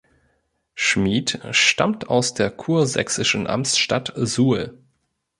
Schmiedt stammte aus der kursächsischen Amtsstadt Suhl.